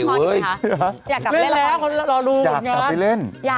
เรียกเลยเหรอเขารู้หมดงั้นอยากกลับไปเล่น